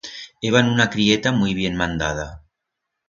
Heban una crieta muit bien mandada.